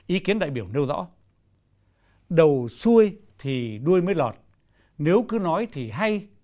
ý kiến đại biểu nêu rõ đầu xuôi thì đuôi mới lọt nếu cứ nói thì hay